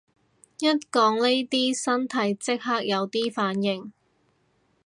一講呢啲身體即刻有啲反應